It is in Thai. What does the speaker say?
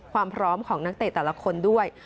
ความพร้อมของนักเตะแต่ละคนด้วย